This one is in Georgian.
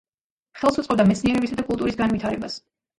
ხელს უწყობდა მეცნიერებისა და კულტურის განვითარებას.